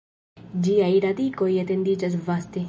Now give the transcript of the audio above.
Ĝiaj radikoj etendiĝas vaste.